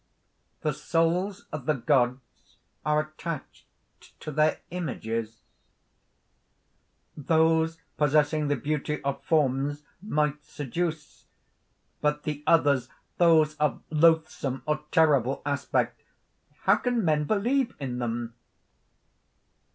The souls of the Gods are attached to their images ... "Those possessing the beauty of forms might seduce. But the others ... those of loathsome or terrible aspect ... how can men believe in them?..."